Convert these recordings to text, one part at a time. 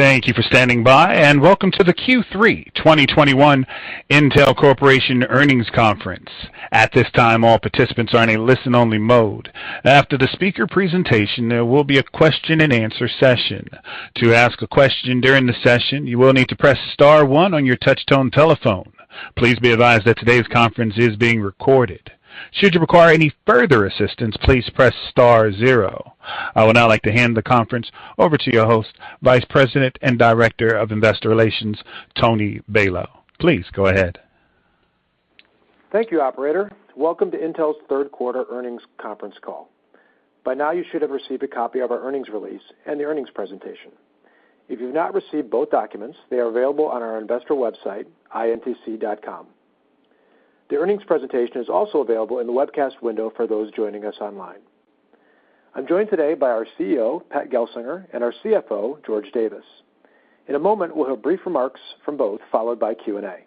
Thank you for standing by. Welcome to the Q3 2021 Intel Corporation Earnings Conference. At this time, all participants are in a listen-only mode. After the speaker presentation, there will be a question and answer session. To ask a question during the session, you will need to press star one on your touch-tone telephone. Please be advised that today's conference is being recorded. Should you require any further assistance, please press star zero. I would now like to hand the conference over to your host, Vice President and Director of Investor Relations, Tony Balow. Please go ahead. Thank you, operator. Welcome to Intel's third quarter earnings conference call. By now, you should have received a copy of our earnings release and the earnings presentation. If you've not received both documents, they are available on our investor website, intc.com. The earnings presentation is also available in the webcast window for those joining us online. I am joined today by our CEO, Pat Gelsinger, and our CFO, George Davis. In a moment, we will have brief remarks from both, followed by Q&A.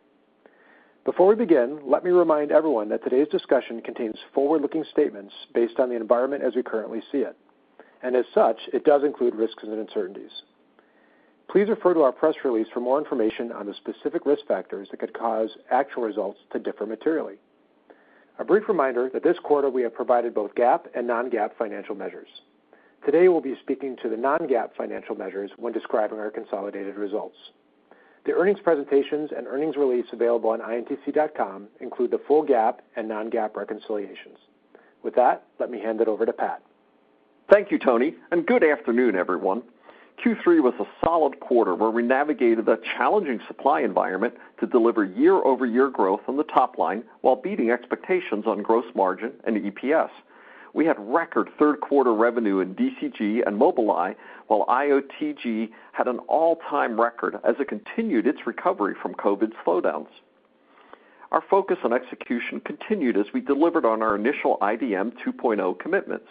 Before we begin, let me remind everyone that today's discussion contains forward-looking statements based on the environment as we currently see it, and as such, it does include risks and uncertainties. Please refer to our press release for more information on the specific risk factors that could cause actual results to differ materially. A brief reminder that this quarter we have provided both GAAP and non-GAAP financial measures. Today, we'll be speaking to the non-GAAP financial measures when describing our consolidated results. The earnings presentations and earnings release available on intc.com include the full GAAP and non-GAAP reconciliations. With that, let me hand it over to Pat. Thank you, Tony, and good afternoon, everyone. Q3 was a solid quarter where we navigated a challenging supply environment to deliver year-over-year growth on the top line while beating expectations on gross margin and EPS. We had record third-quarter revenue in DCG and Mobileye, while IOTG had an all-time record as it continued its recovery from COVID slowdowns. Our focus on execution continued as we delivered on our initial IDM 2.0 commitments.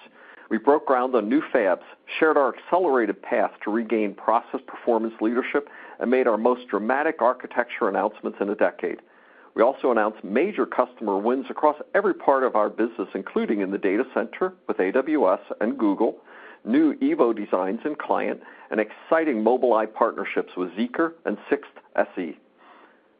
We broke ground on new fabs, shared our accelerated path to regain process performance leadership, and made our most dramatic architecture announcements in a decade. We also announced major customer wins across every part of our business, including in the data center with AWS and Google, new Evo designs in client, and exciting Mobileye partnerships with Zeekr and Sixt SE.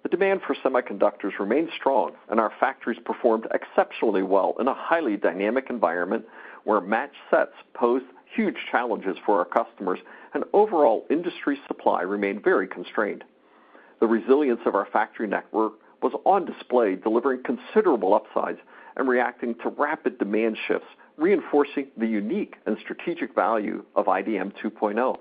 The demand for semiconductors remains strong, and our factories performed exceptionally well in a highly dynamic environment where match sets pose huge challenges for our customers and overall industry supply remained very constrained. The resilience of our factory network was on display, delivering considerable upsides and reacting to rapid demand shifts, reinforcing the unique and strategic value of IDM 2.0.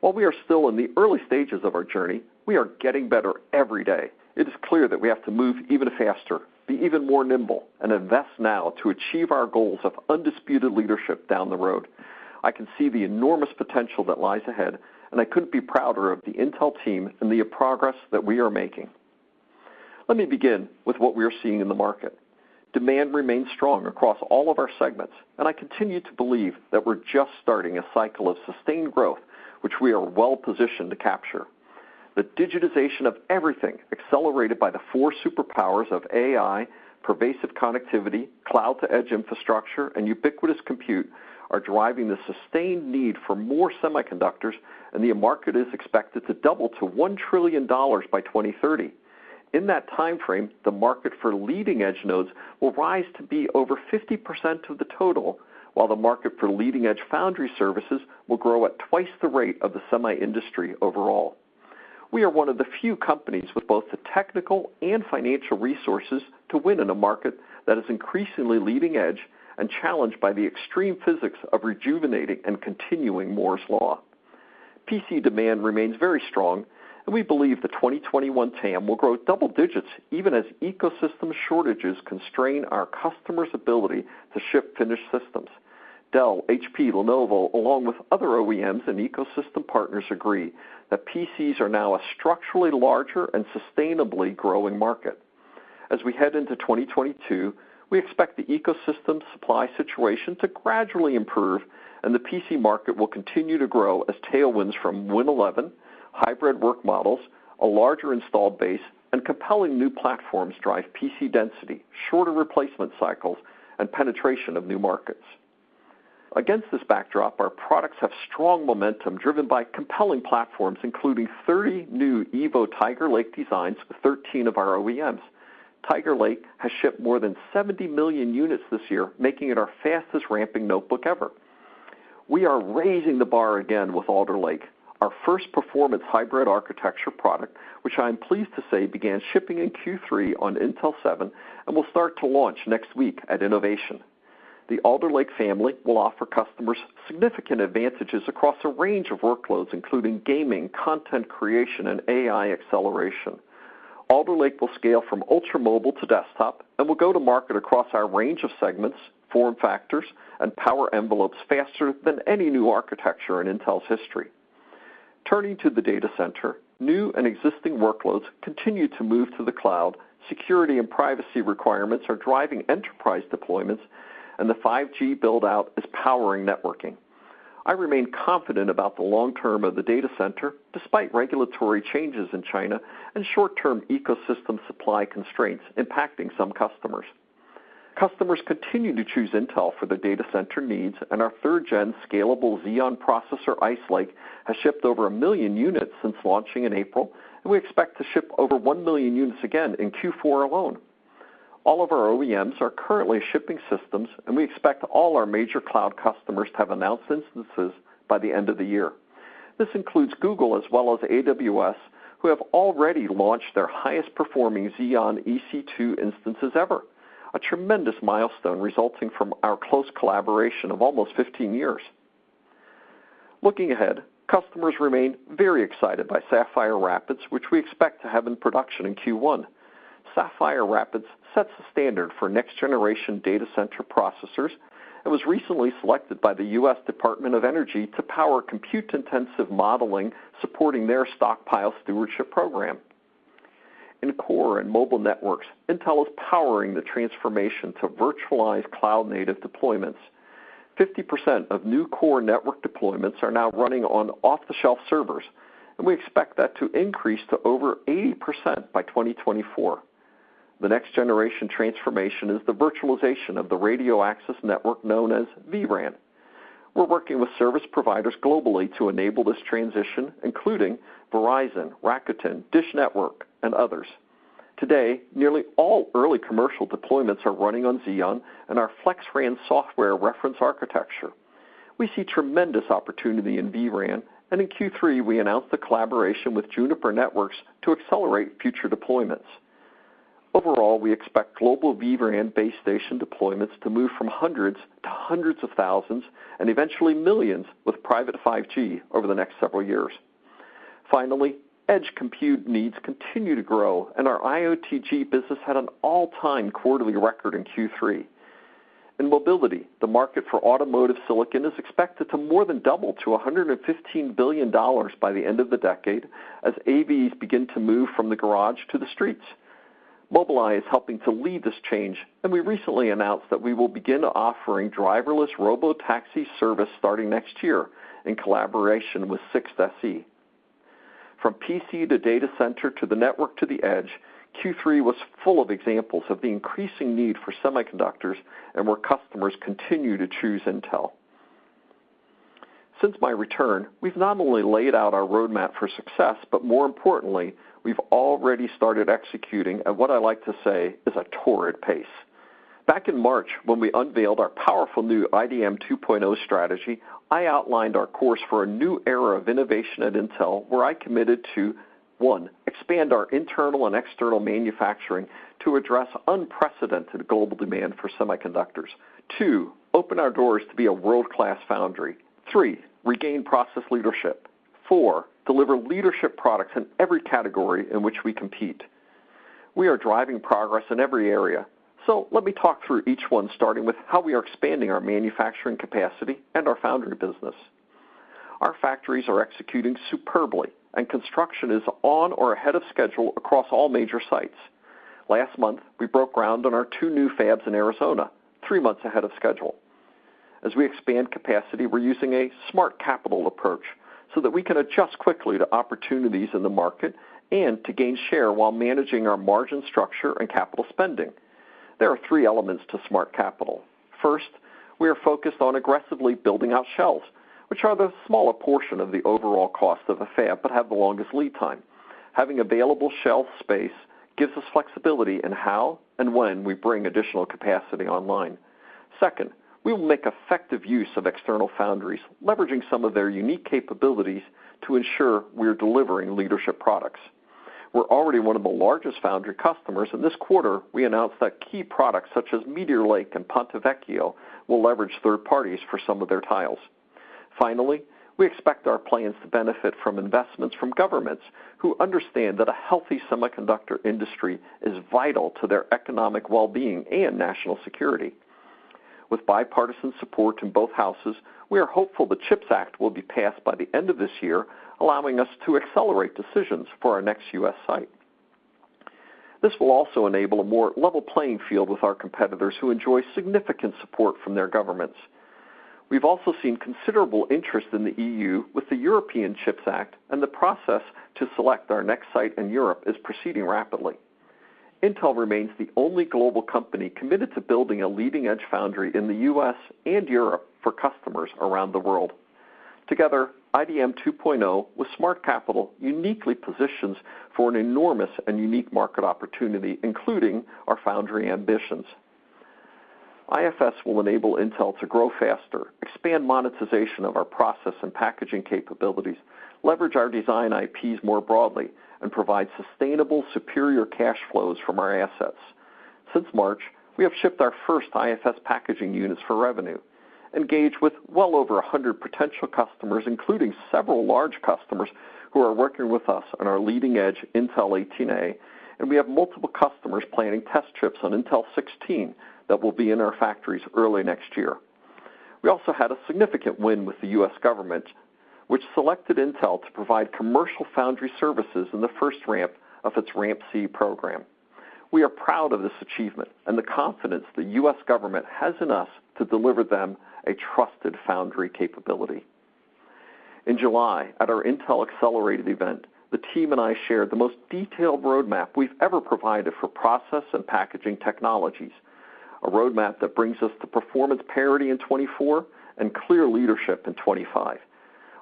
While we are still in the early stages of our journey, we are getting better every day. It is clear that we have to move even faster, be even nimbler, and invest now to achieve our goals of undisputed leadership down the road. I can see the enormous potential that lies ahead, and I couldn't be prouder of the Intel team and the progress that we are making. Let me begin with what we are seeing in the market. Demand remains strong across all of our segments. I continue to believe that we're just starting a cycle of sustained growth, which we are well-positioned to capture. The digitization of everything accelerated by the four superpowers of AI, pervasive connectivity, Cloud-to-Edge infrastructure, and ubiquitous compute are driving the sustained need for more semiconductors. The market is expected to double to $1 trillion by 2030. In that timeframe, the market for leading-edge nodes will rise to be over 50% of the total, while the market for leading-edge foundry services will grow at twice the rate of the semi industry overall. We are one of the few companies with both the technical and financial resources to win in a market that is increasingly leading edge and challenged by the extreme physics of rejuvenating and continuing Moore's Law. PC demand remains very strong, and we believe the 2021 TAM will grow double digits even as ecosystem shortages constrain our customers' ability to ship finished systems. Dell, HP, Lenovo, along with other OEMs and ecosystem partners agree that PCs are now a structurally larger and sustainably growing market. As we head into 2022, we expect the ecosystem supply situation to gradually improve and the PC market will continue to grow as tailwinds from Win 11, hybrid work models, a larger installed base, and compelling new platforms drive PC density, shorter replacement cycles, and penetration of new markets. Against this backdrop, our products have strong momentum driven by compelling platforms, including 30 new Evo Tiger Lake designs with 13 of our OEMs. Tiger Lake has shipped more than 70 million units this year, making it our fastest-ramping notebook ever. We are raising the bar again with Alder Lake, our first performance hybrid architecture product, which I am pleased to say began shipping in Q3 on Intel 7 and will start to launch next week at Innovation. The Alder Lake family will offer customers significant advantages across a range of workloads, including gaming, content creation, and AI acceleration. Alder Lake will scale from ultra-mobile to desktop and will go to market across our range of segments, form factors, and power envelopes faster than any new architecture in Intel's history. Turning to the data center, new and existing workloads continue to move to the cloud, security and privacy requirements are driving enterprise deployments, and the 5G build-out is powering networking. I remain confident about the long term of the data center despite regulatory changes in China and short-term ecosystem supply constraints impacting some customers. Customers continue to choose Intel for their data center needs, and our 3rd-gen scalable Xeon processor, Ice Lake, has shipped over 1 million units since launching in April. We expect to ship over 1 million units again in Q4 alone. All of our OEMs are currently shipping systems, and we expect all our major cloud customers to have announced instances by the end of the year. This includes Google as well as AWS, who have already launched their highest performing Xeon EC2 instances ever. A tremendous milestone resulting from our close collaboration of almost 15 years. Looking ahead, customers remain very excited by Sapphire Rapids, which we expect to have in production in Q1. Sapphire Rapids sets the standard for next-generation data center processors and was recently selected by the U.S. Department of Energy to power compute-intensive modeling, supporting their Stockpile Stewardship program. In core and mobile networks, Intel is powering the transformation to virtualized cloud-native deployments. 50% of new core network deployments are now running on off-the-shelf servers, and we expect that to increase to over 80% by 2024. The next generation transformation is the virtualization of the radio access network known as vRAN. We're working with service providers globally to enable this transition, including Verizon, Rakuten, Dish Network, and others. Today, nearly all early commercial deployments are running on Xeon and our FlexRAN software reference architecture. We see tremendous opportunity in vRAN, and in Q3, we announced the collaboration with Juniper Networks to accelerate future deployments. Overall, we expect global vRAN base station deployments to move from hundreds to hundreds of thousands, and eventually millions with private 5G over the next several years. Finally, edge compute needs continue to grow, and our IOTG business had an all-time quarterly record in Q3. In mobility, the market for automotive silicon is expected to more than double to $115 billion by the end of the decade as AVs begin to move from the garage to the streets. Mobileye is helping to lead this change, and we recently announced that we will begin offering driverless robotaxi service starting next year in collaboration with Sixt SE. From PC to data center to the network to the edge, Q3 was full of examples of the increasing need for semiconductors and where customers continue to choose Intel. Since my return, we've not only laid out our roadmap for success, but more importantly, we've already started executing at what I like to say is a torrid pace. Back in March, when we unveiled our powerful new IDM 2.0 strategy, I outlined our course for a new era of innovation at Intel, where I committed to, one, expand our internal and external manufacturing to address unprecedented global demand for semiconductors. Two, open our doors to be a world-class foundry. Three, regain process leadership. Four, deliver leadership products in every category in which we compete. We are driving progress in every area. Let me talk through each one, starting with how we are expanding our manufacturing capacity and our foundry business. Our factories are executing superbly, and construction is on or ahead of schedule across all major sites. Last month, we broke ground on our two new fabs in Arizona, three months ahead of schedule. As we expand capacity, we're using a smart capital approach so that we can adjust quickly to opportunities in the market and to gain share while managing our margin structure and capital spending. There are three elements to smart capital. First, we are focused on aggressively building out shelves, which are the smaller portion of the overall cost of a fab but have the longest lead time. Having available shelf space gives us flexibility in how and when we bring additional capacity online. Second, we will make effective use of external foundries, leveraging some of their unique capabilities to ensure we are delivering leadership products. We're already one of the largest foundry customers. This quarter, we announced that key products such as Meteor Lake and Ponte Vecchio will leverage third parties for some of their tiles. Finally, we expect our plans to benefit from investments from governments who understand that a healthy semiconductor industry is vital to their economic well-being and national security. With bipartisan support in both Houses, we are hopeful the CHIPS Act will be passed by the end of this year, allowing us to accelerate decisions for our next U.S. site. This will also enable a more level playing field with our competitors who enjoy significant support from their governments. We've also seen considerable interest in the EU with the European CHIPS Act. The process to select our next site in Europe is proceeding rapidly. Intel remains the only global company committed to building a leading-edge foundry in the U.S. and Europe for customers around the world. Together, IDM 2.0 with smart capital uniquely positions for an enormous and unique market opportunity, including our foundry ambitions. IFS will enable Intel to grow faster, expand monetization of our process and packaging capabilities, leverage our design IPs more broadly, and provide sustainable, superior cash flows from our assets. Since March, we have shipped our first IFS packaging units for revenue, engaged with well over 100 potential customers, including several large customers who are working with us on our leading edge Intel 18A, and we have multiple customers planning test trips on Intel 16 that will be in our factories early next year. We also had a significant win with the U.S. government, which selected Intel to provide commercial foundry services in the first ramp of its RAMP-C program. We are proud of this achievement and the confidence the U.S. government has in us to deliver them a trusted foundry capability. In July, at our Intel Accelerated event, the team and I shared the most detailed roadmap we've ever provided for process and packaging technologies. A roadmap that brings us to performance parity in 2024 and clear leadership in 2025.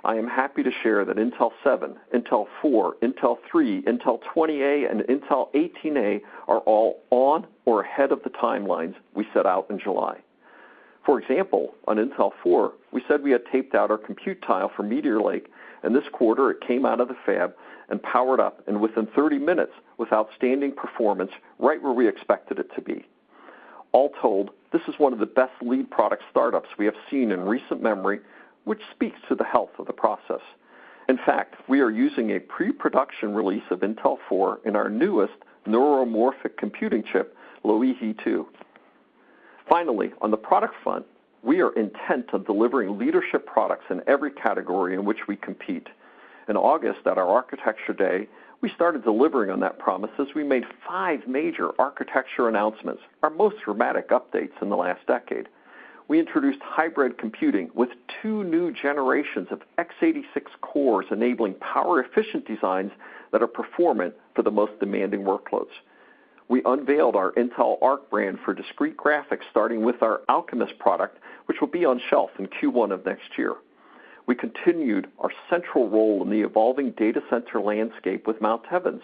I am happy to share that Intel 7, Intel 4, Intel 3, Intel 20A, and Intel 18A are all on or ahead of the timelines we set out in July. For example, on Intel 4, we said we had taped out our compute tile for Meteor Lake, and this quarter it came out of the fab and powered up, and within 30 minutes, with outstanding performance, right where we expected it to be. All told, this is one of the best lead product startups we have seen in recent memory, which speaks to the health of the process. In fact, we are using a pre-production release of Intel 4 in our newest neuromorphic computing chip, Loihi 2. Finally, on the product front, we are intent on delivering leadership products in every category in which we compete. In August, at our Architecture Day, we started delivering on that promise as we made five major architecture announcements, our most dramatic updates in the last decade. We introduced hybrid computing with two new generations of x86 cores, enabling power-efficient designs that are performant for the most demanding workloads. We unveiled our Intel Arc brand for discrete graphics starting with our Alchemist product, which will be on shelf in Q1 of next year. We continued our central role in the evolving data center landscape with Mount Evans,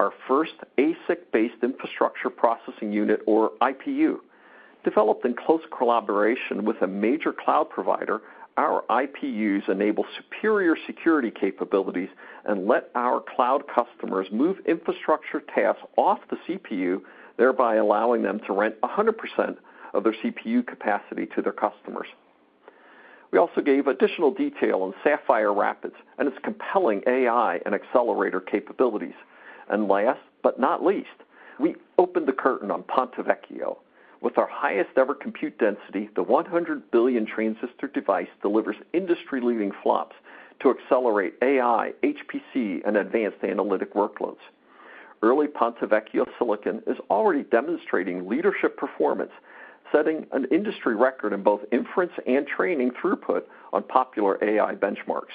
our first ASIC-based infrastructure processing unit, or IPU. Developed in close collaboration with a major cloud provider, our IPUs enable superior security capabilities and let our cloud customers move infrastructure tasks off the CPU, thereby allowing them to rent 100% of their CPU capacity to their customers. We also gave additional detail on Sapphire Rapids and its compelling AI and accelerator capabilities. Last but not least, we opened the curtain on Ponte Vecchio. With our highest-ever compute density, the 100 billion transistor device delivers industry-leading flops to accelerate AI, HPC, and advanced analytic workloads. Early Ponte Vecchio silicon is already demonstrating leadership performance, setting an industry record in both inference and training throughput on popular AI benchmarks.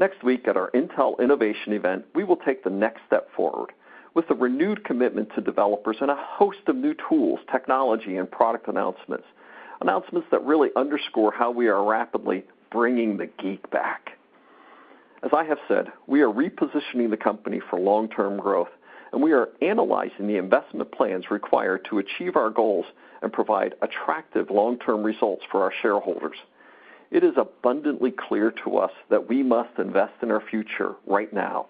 Next week at our Intel Innovation event, we will take the next step forward with a renewed commitment to developers and a host of new tools, technology, and product announcements. Announcements that really underscore how we are rapidly bringing the geek back. As I have said, we are repositioning the company for long-term growth, and we are analyzing the investment plans required to achieve our goals and provide attractive long-term results for our shareholders. It is abundantly clear to us that we must invest in our future right now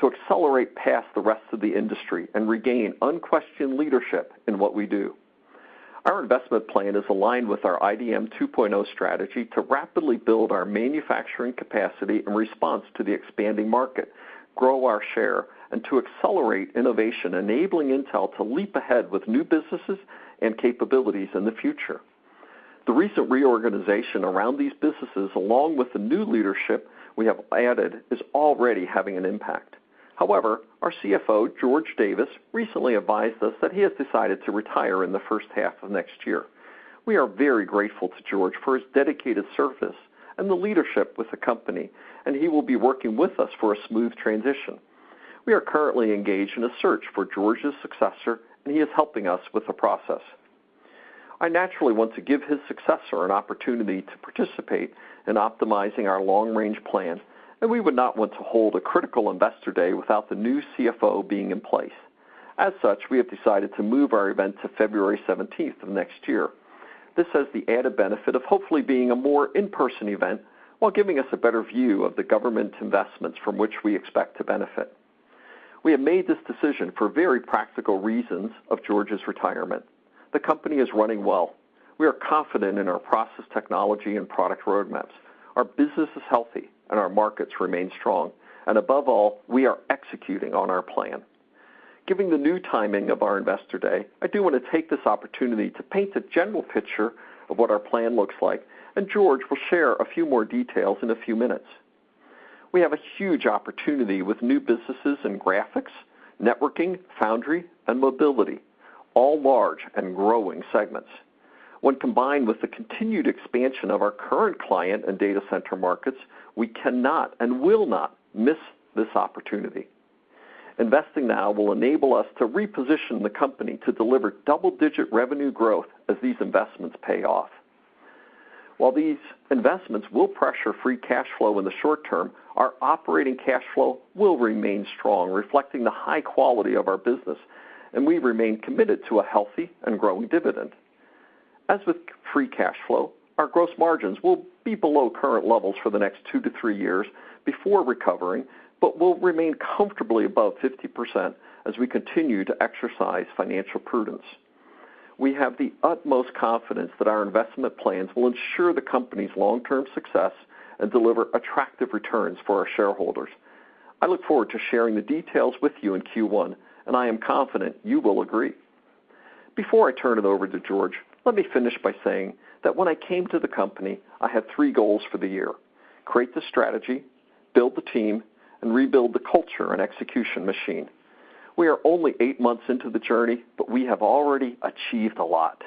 to accelerate past the rest of the industry and regain unquestioned leadership in what we do. Our investment plan is aligned with our IDM 2.0 strategy to rapidly build our manufacturing capacity in response to the expanding market, grow our share, and to accelerate innovation, enabling Intel to leap ahead with new businesses and capabilities in the future. The recent reorganization around these businesses, along with the new leadership we have added, is already having an impact. Our CFO, George Davis, recently advised us that he has decided to retire in the first half of next year. We are very grateful to George for his dedicated service and the leadership with the company. He will be working with us for a smooth transition. We are currently engaged in a search for George's successor. He is helping us with the process. I naturally want to give his successor an opportunity to participate in optimizing our long-range plan, and we would not want to hold a critical Investor Day without the new CFO being in place. As such, we have decided to move our event to February 17th of next year. This has the added benefit of hopefully being a more in-person event while giving us a better view of the government investments from which we expect to benefit. We have made this decision for very practical reasons of George's retirement. The company is running well. We are confident in our process technology and product roadmaps. Our business is healthy and our markets remain strong, and above all, we are executing on our plan. Given the new timing of our Investor Day, I do want to take this opportunity to paint a general picture of what our plan looks like, and George will share a few more details in a few minutes. We have a huge opportunity with new businesses in graphics, networking, foundry, and mobility, all large and growing segments. When combined with the continued expansion of our current client and data center markets, we cannot and will not miss this opportunity. Investing now will enable us to reposition the company to deliver double-digit revenue growth as these investments pay off. While these investments will pressure free cash flow in the short term, our operating cash flow will remain strong, reflecting the high quality of our business, and we remain committed to a healthy and growing dividend. As with free cash flow, our gross margins will be below current levels for the next two to three years before recovering, but will remain comfortably above 50% as we continue to exercise financial prudence. We have the utmost confidence that our investment plans will ensure the company's long-term success and deliver attractive returns for our shareholders. I look forward to sharing the details with you in Q1, and I am confident you will agree. Before I turn it over to George, let me finish by saying that when I came to the company, I had three goals for the year: create the strategy, build the team, and rebuild the culture and execution machine. We are only eight months into the journey, but we have already achieved a lot.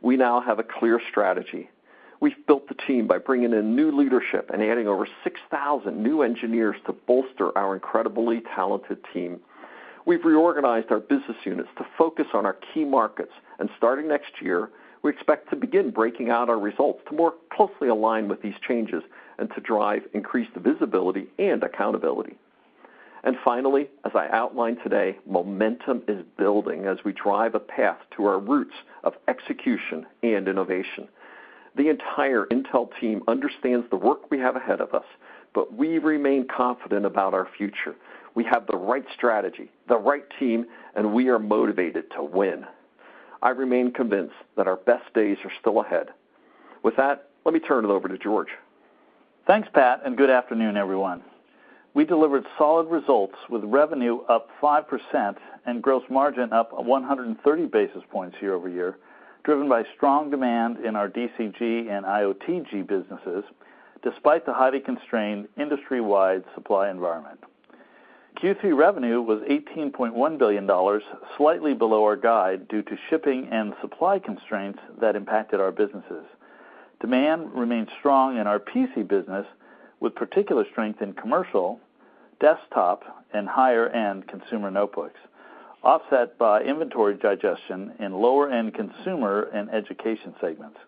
We now have a clear strategy. We've built the team by bringing in new leadership and adding over 6,000 new engineers to bolster our incredibly talented team. We've reorganised our business units to focus on our key markets. Starting next year, we expect to begin breaking out our results to more closely align with these changes and to drive increased divisibility and accountability. Finally, as I outlined today, momentum is building as we drive a path to our roots of execution and innovation. The entire Intel team understands the work we have ahead of us, but we remain confident about our future. We have the right strategy, the right team, and we are motivated to win. I remain convinced that our best days are still ahead. With that, let me turn it over to George. Thanks, Pat. Good afternoon, everyone. We delivered solid results with revenue up 5% and gross margin up 130 basis points year-over-year, driven by strong demand in our DCG and IOTG businesses, despite the highly constrained industry-wide supply environment. Q3 revenue was $18.1 billion, slightly below our guide, due to shipping and supply constraints that impacted our businesses. Demand remained strong in our PC business, with particular strength in commercial, desktop, and higher-end consumer notebooks, offset by inventory digestion in lower-end consumer and education segments.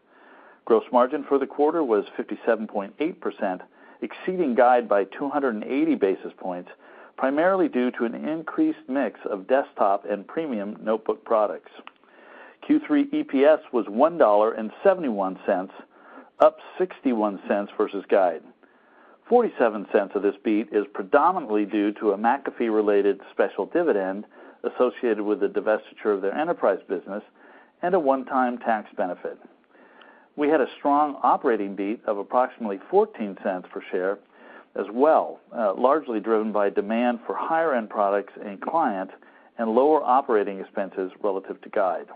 Gross margin for the quarter was 57.8%, exceeding guide by 280 basis points, primarily due to an increased mix of desktop and premium notebook products. Q3 EPS was $1.71, up $0.61 versus guide. $0.47 of this beat is predominantly due to a McAfee-related special dividend associated with the divestiture of their enterprise business and a one-time tax benefit. We had a strong operating beat of approximately $0.14 per share as well, largely driven by demand for higher-end products in client and lower operating expenses relative to guide.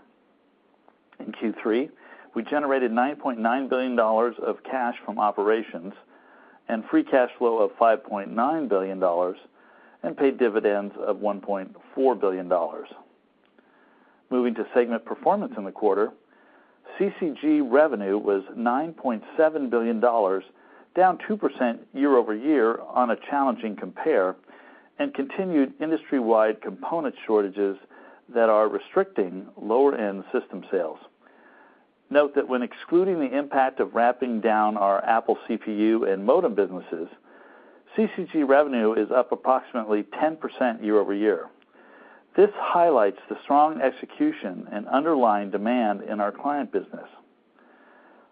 In Q3, we generated $9.9 billion of cash from operations and free cash flow of $5.9 billion and paid dividends of $1.4 billion. Moving to segment performance in the quarter, CCG revenue was $9.7 billion, down 2% year-over-year on a challenging compare and continued industry-wide component shortages that are restricting lower-end system sales. Note that when excluding the impact of wrapping down our Apple CPU and modem businesses, CCG revenue is up approximately 10% year-over-year. This highlights the strong execution and underlying demand in our client business.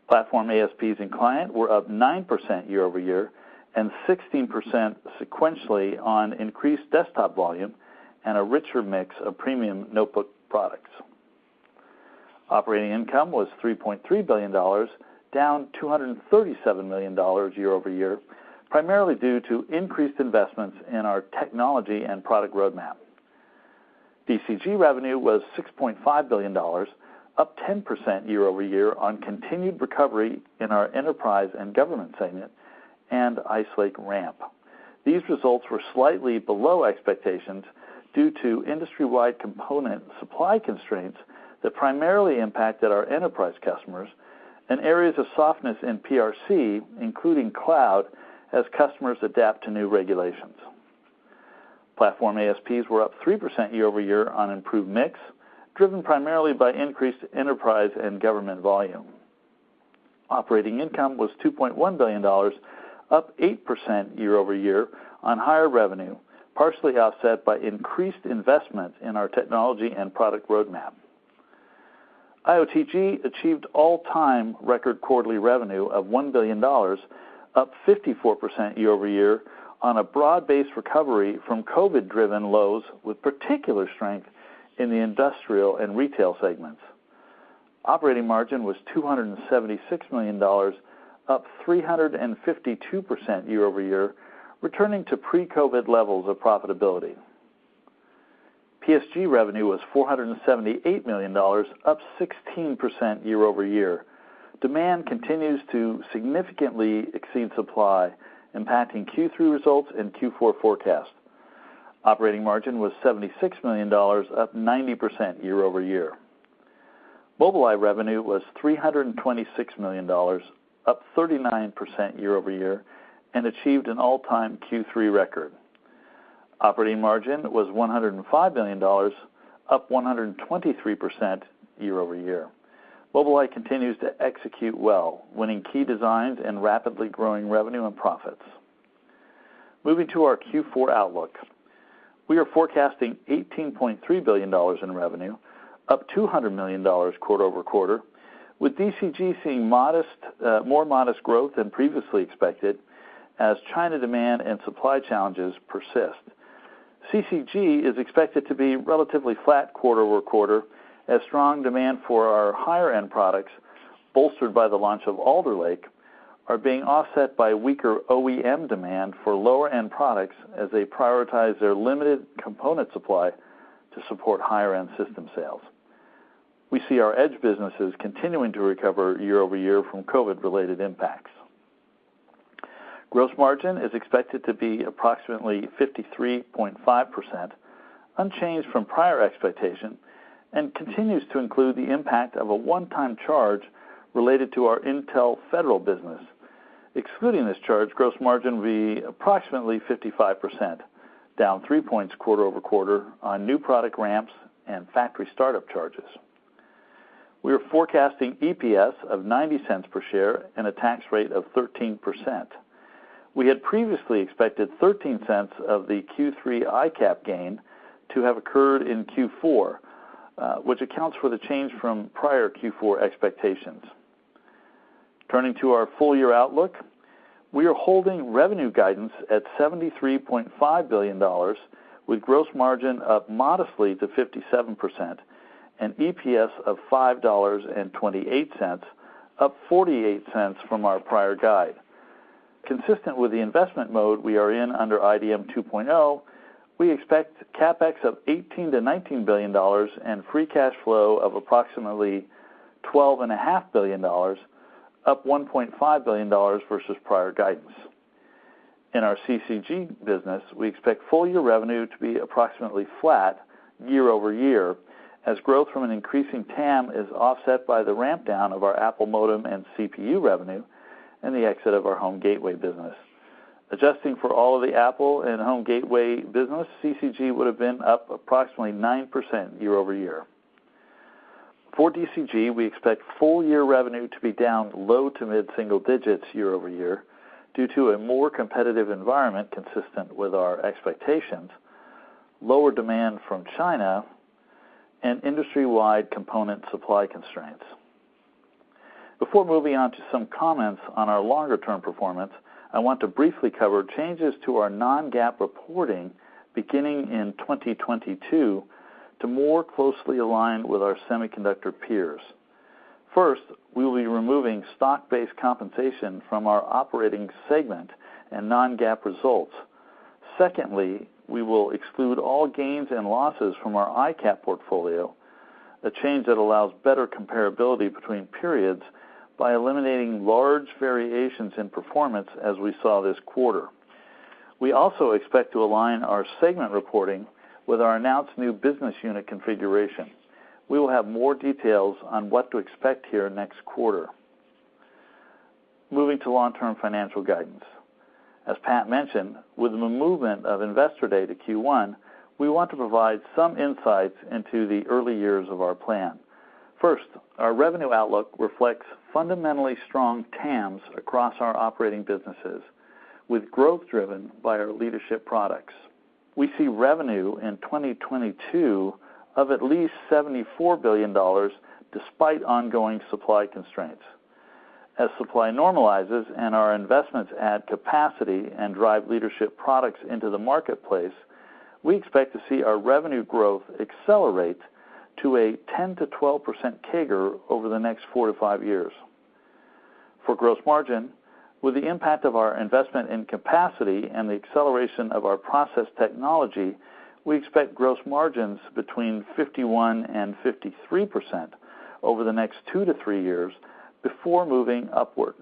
Platform ASPs in client were up 9% year-over-year and 16% sequentially on increased desktop volume and a richer mix of premium notebook products. Operating income was $3.3 billion, down $237 million year-over-year, primarily due to increased investments in our technology and product roadmap. DCG revenue was $6.5 billion, up 10% year-over-year on continued recovery in our enterprise and government segment and Ice Lake ramp. These results were slightly below expectations due to industry-wide component supply constraints that primarily impacted our enterprise customers and areas of softness in PRC, including cloud, as customers adapt to new regulations. Platform ASPs were up 3% year-over-year on improved mix, driven primarily by increased enterprise and government volume. Operating income was $2.1 billion, up 8% year-over-year on higher revenue, partially offset by increased investment in our technology and product roadmap. IOTG achieved all-time record quarterly revenue of $1 billion, up 54% year-over-year on a broad-based recovery from COVID-driven lows, with particular strength in the industrial and retail segments. Operating margin was $276 million, up 352% year-over-year, returning to pre-COVID levels of profitability. PSG revenue was $478 million, up 16% year-over-year. Demand continues to significantly exceed supply, impacting Q3 results and Q4 forecast. Operating margin was $76 million, up 90% year-over-year. Mobileye revenue was $326 million, up 39% year-over-year, and achieved an all-time Q3 record. Operating margin was $105 million, up 123% year-over-year. Mobileye continues to execute well, winning key designs and rapidly growing revenue and profits. Moving to our Q4 outlook, we are forecasting $18.3 billion in revenue, up $200 million quarter-over-quarter, with DCG seeing more modest growth than previously expected as China demand and supply challenges persist. CCG is expected to be relatively flat quarter-over-quarter as strong demand for our higher-end products, bolstered by the launch of Alder Lake, are being offset by weaker OEM demand for lower-end products as they prioritize their limited component supply to support higher-end system sales. We see our Edge businesses continuing to recover year-over-year from COVID-related impacts. Gross margin is expected to be approximately 53.5%, unchanged from prior expectation, and continues to include the impact of a one-time charge related to our Intel Federal business. Excluding this charge, gross margin will be approximately 55%, down 3 points quarter-over-quarter on new product ramps and factory startup charges. We are forecasting EPS of $0.90 per share and a tax rate of 13%. We had previously expected $0.13 of the Q3 ICAP gain to have occurred in Q4, which accounts for the change from prior Q4 expectations. Turning to our full-year outlook, we are holding revenue guidance at $73.5 billion, with gross margin up modestly to 57% and EPS of $5.28, up $0.48 from our prior guide. Consistent with the investment mode we are in under IDM 2.0, we expect CapEx of $18 billion-$19 billion and free cash flow of approximately $12.5 billion, up $1.5 billion versus prior guidance. In our CCG business, we expect full-year revenue to be approximately flat year-over-year, as growth from an increasing TAM is offset by the ramp down of our Apple modem and CPU revenue and the exit of our Home Gateway business. Adjusting for all of the Apple and Home Gateway business, CCG would have been up approximately 9% year-over-year. For DCG, we expect full-year revenue to be down low to mid-single digits year-over-year due to a more competitive environment consistent with our expectations, lower demand from China, and industry-wide component supply constraints. Before moving on to some comments on our longer-term performance, I want to briefly cover changes to our non-GAAP reporting beginning in 2022 to more closely align with our semiconductor peers. First, we will be removing stock-based compensation from our operating segment and non-GAAP results. Secondly, we will exclude all gains and losses from our ICAP portfolio, a change that allows better comparability between periods by eliminating large variations in performance as we saw this quarter. We also expect to align our segment reporting with our announced new business unit configuration. We will have more details on what to expect here next quarter. Moving to long-term financial guidance. As Pat mentioned, with the movement of Investor Day to Q1, we want to provide some insights into the early years of our plan. First, our revenue outlook reflects fundamentally strong TAMs across our operating businesses, with growth driven by our leadership products. We see revenue in 2022 of at least $74 billion, despite ongoing supply constraints. As supply normalizes and our investments add capacity and drive leadership products into the marketplace, we expect to see our revenue growth accelerate to a 10%-12% CAGR over the next four to five years. For gross margin, with the impact of our investment in capacity and the acceleration of our process technology, we expect gross margins between 51% and 53% over the next two to three years before moving upward.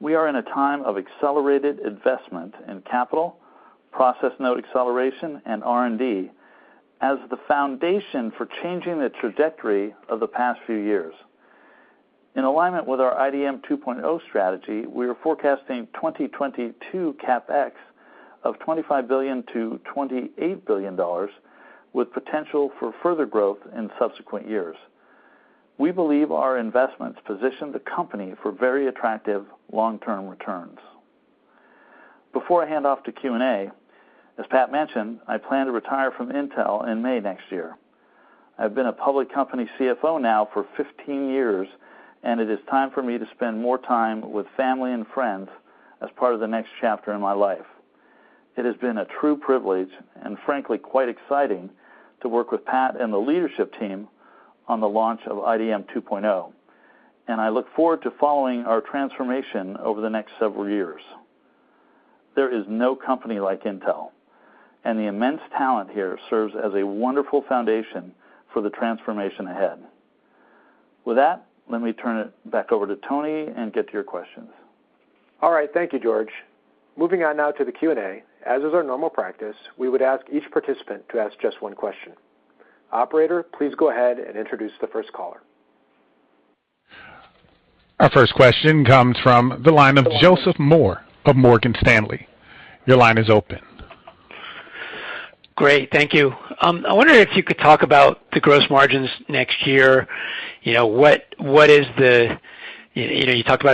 We are in a time of accelerated investment in capital, process node acceleration, and R&D as the foundation for changing the trajectory of the past few years. In alignment with our IDM 2.0 strategy, we are forecasting 2022 CapEx of $25 billion-$28 billion, with potential for further growth in subsequent years. We believe our investments position the company for very attractive long-term returns. Before I hand off to Q&A, as Pat mentioned, I plan to retire from Intel in May next year. I've been a public company CFO now for 15 years. It is time for me to spend more time with family and friends as part of the next chapter in my life. It has been a true privilege, and frankly, quite exciting, to work with Pat and the leadership team on the launch of IDM 2.0, and I look forward to following our transformation over the next several years. There is no company like Intel, and the immense talent here serves as a wonderful foundation for the transformation ahead. With that, let me turn it back over to Tony and get to your questions. All right. Thank you, George. Moving on now to the Q&A. As is our normal practice, we would ask each participant to ask just one question. Operator, please go ahead and introduce the first caller. Our first question comes from the line of Joseph Moore of Morgan Stanley. Your line is open. Great. Thank you. I wonder if you could talk about the gross margins next year. You talked about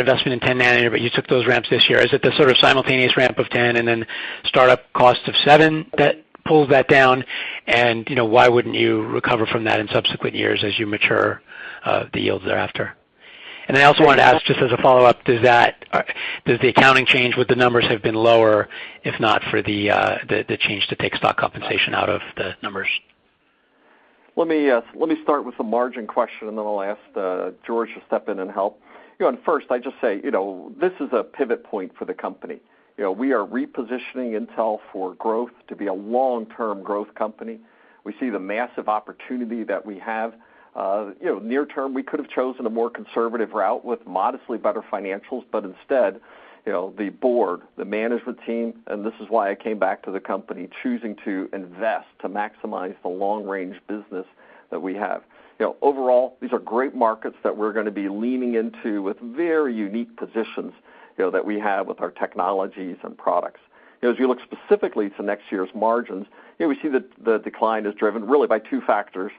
investment in 10 [nanometer], but you took those ramps this year. Is it the sort of simultaneous ramp of 10 and then startup cost of 7 that pulls that down? Why wouldn't you recover from that in subsequent years as you mature the yields thereafter? I also wanted to ask, just as a follow-up, does the accounting change would the numbers have been lower if not for the change to take stock compensation out of the numbers? Let me start with the margin question, and then I'll ask George to step in and help. First, I just say, this is a pivot point for the company. We are repositioning Intel for growth to be a long-term growth company. We see the massive opportunity that we have. Near term, we could have chosen a more conservative route with modestly better financials, but instead, the board, the management team, and this is why I came back to the company, choosing to invest to maximize the long-range business that we have. Overall, these are great markets that we're going to be leaning into with very unique positions that we have with our technologies and products. As you look specifically to next year's margins, we see that the decline is driven really by two factors.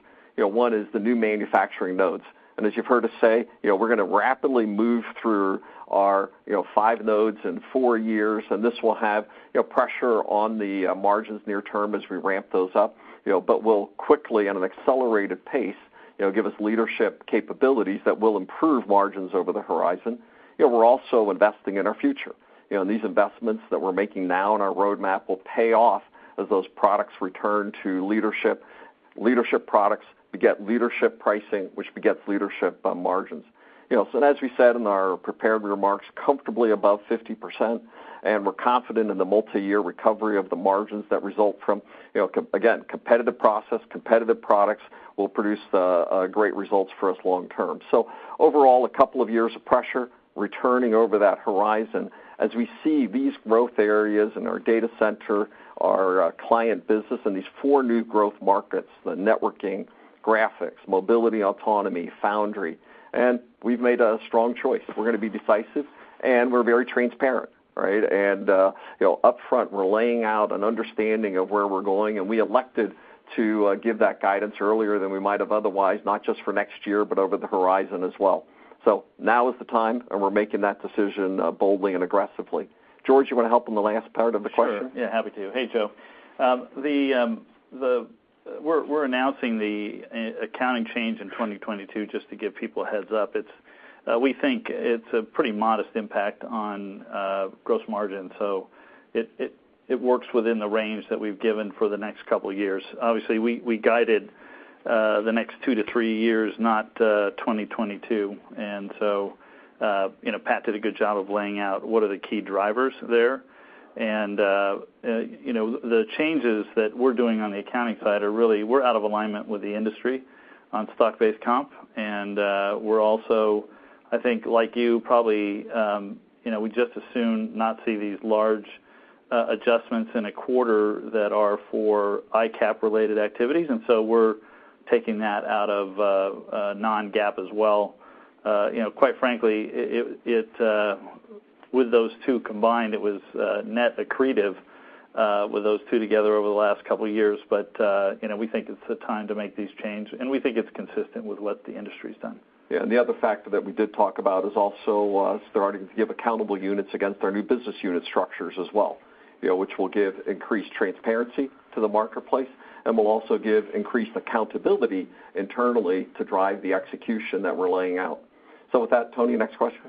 One is the new manufacturing nodes. As you've heard us say, we're going to rapidly move through our five nodes in four years, this will have pressure on the margins near term as we ramp those up. Will quickly, at an accelerated pace, give us leadership capabilities that will improve margins over the horizon. We're also investing in our future. These investments that we're making now in our roadmap will pay off as those products return to leadership. Leadership products beget leadership pricing, which begets leadership margins. As we said in our prepared remarks, comfortably above 50%, we're confident in the multi-year recovery of the margins that result from, again, competitive process, competitive products, will produce great results for us long term. Overall, a couple of years of pressure, returning over that horizon. We see these growth areas in our data center, our client business, and these four new growth markets, the networking, graphics, mobility, autonomy, foundry. We've made a strong choice. We're going to be decisive, and we're very transparent. Right? Upfront, we're laying out an understanding of where we're going, and we elected to give that guidance earlier than we might have otherwise, not just for next year, but over the horizon as well. Now is the time, and we're making that decision boldly and aggressively. George, you want to help on the last part of the question? Sure. Yeah, happy to. Hey, Joe. We're announcing the accounting change in 2022, just to give people a heads up. We think it's a pretty modest impact on gross margin. It works within the range that we've given for the next couple of years. Obviously, we guided the next two to three years, not 2022. Pat did a good job of laying out what are the key drivers there. The changes that we're doing on the accounting side are really we're out of alignment with the industry on stock-based comp. We're also, I think like you, probably, we'd just as soon not see these large adjustments in a quarter that are for ICAP-related activities. We're taking that out of non-GAAP as well. Quite frankly, with those two combined, it was net accretive with those two together over the last couple of years. We think it's the time to make these change, and we think it's consistent with what the industry's done. The other factor that we did talk about is also starting to give accountable units against our new business unit structures as well, which will give increased transparency to the marketplace and will also give increased accountability internally to drive the execution that we're laying out. With that, Tony, next question.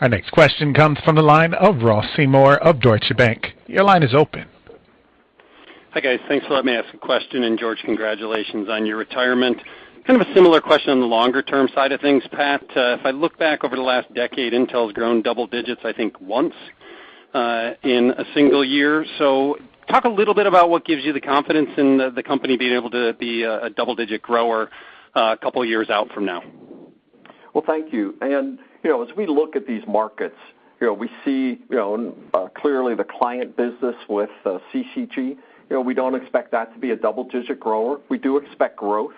Our next question comes from the line of Ross Seymore of Deutsche Bank. Your line is open. Hi, guys. Thanks for letting me ask a question, and George, congratulations on your retirement. Kind of a similar question on the longer-term side of things. Pat, if I look back over the last decade, Intel's grown double digits, I think, once in a single year. Talk a little bit about what gives you the confidence in the company being able to be a double-digit grower a couple of years out from now. Well, thank you. As we look at these markets, we see clearly the client business with CCG. We don't expect that to be a double-digit grower. We do expect growth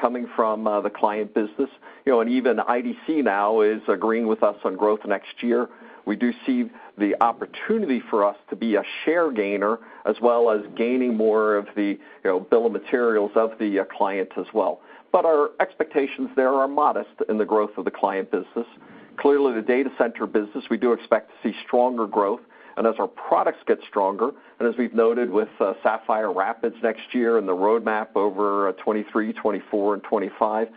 coming from the client business. Even IDC now is agreeing with us on growth next year. We do see the opportunity for us to be a share gainer, as well as gaining more of the bill of materials of the client as well. Our expectations there are modest in the growth of the client business. Clearly, the data center business, we do expect to see stronger growth. As our products get stronger, and as we've noted with Sapphire Rapids next year and the roadmap over 2023, 2024, and 2025,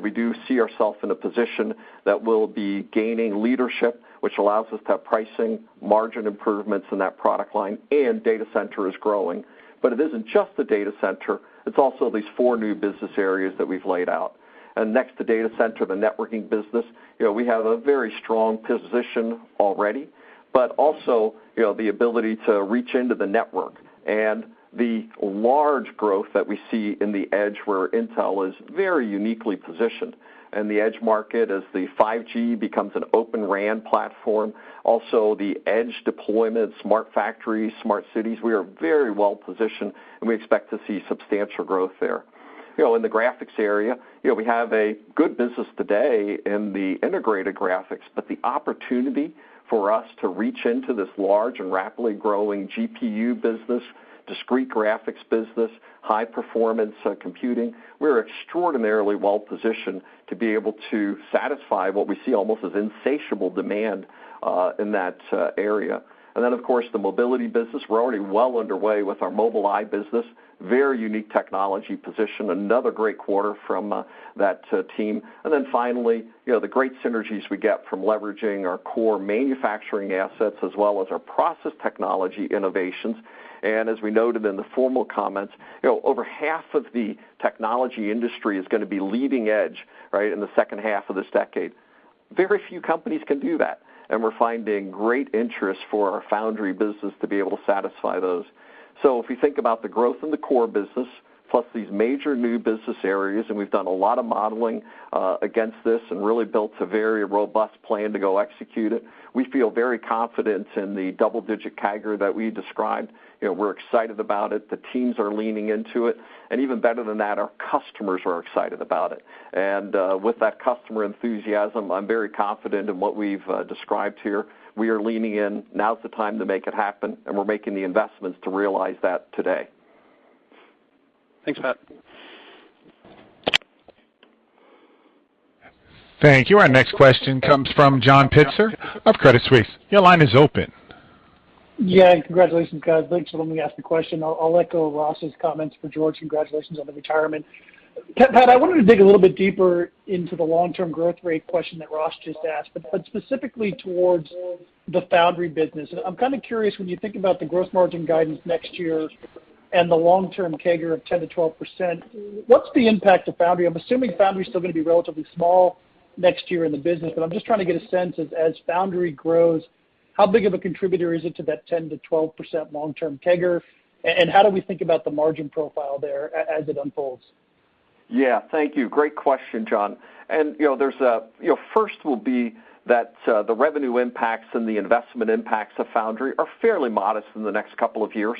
we do see ourself in a position that we'll be gaining leadership, which allows us to have pricing margin improvements in that product line and data center is growing. It isn't just the data center, it's also these four new business areas that we've laid out. Next to data center, the networking business. We have a very strong position already, but also the ability to reach into the network and the large growth that we see in the edge where Intel is very uniquely positioned. In the edge market, as the 5G becomes an Open RAN platform, also the edge deployment, smart factories, smart cities, we are very well positioned, and we expect to see substantial growth there. In the graphics area, we have a good business today in the integrated graphics, but the opportunity for us to reach into this large and rapidly growing GPU business, discrete graphics business, high performance computing, we're extraordinarily well positioned to be able to satisfy what we see almost as insatiable demand in that area. Of course, the mobility business. We're already well underway with our Mobileye business. Very unique technology position. Another great quarter from that team. Finally, the great synergies we get from leveraging our core manufacturing assets as well as our process technology innovations. As we noted in the formal comments, over half of the technology industry is going to be leading edge, right, in the second half of this decade. Very few companies can do that, and we're finding great interest for our foundry business to be able to satisfy those. If you think about the growth in the core business, plus these major new business areas, and we've done a lot of modeling against this and really built a very robust plan to go execute it. We feel very confident in the double-digit CAGR that we described. We're excited about it. The teams are leaning into it, and even better than that, our customers are excited about it. With that customer enthusiasm, I'm very confident in what we've described here. We are leaning in. Now's the time to make it happen, and we're making the investments to realize that today. Thanks, Pat. Thank you. Our next question comes from John Pitzer of Credit Suisse. Your line is open. Yeah. Congratulations, guys. Thanks for letting me ask the question. I'll let go of Ross's comments for George. Congratulations on the retirement. Pat, I wanted to dig a little bit deeper into the long-term growth rate question that Ross just asked, but specifically towards the foundry business. I'm kind of curious when you think about the gross margin guidance next year and the long-term CAGR of 10%-12%, what's the impact of foundry? I'm assuming foundry's still going to be relatively small next year in the business, but I'm just trying to get a sense, as foundry grows, how big of a contributor is it to that 10%-12% long-term CAGR, and how do we think about the margin profile there as it unfolds? Yeah. Thank you. Great question, John. First will be that the revenue impacts and the investment impacts of foundry are fairly modest in the next couple of years.